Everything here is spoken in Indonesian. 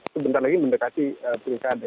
sebentar lagi mendekati peringkatnya